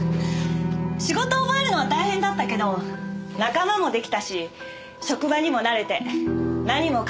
仕事を覚えるのは大変だったけど仲間も出来たし職場にも慣れて何もかもうまくいってた。